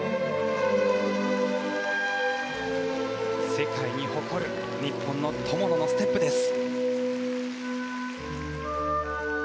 世界に誇る日本の友野のステップです。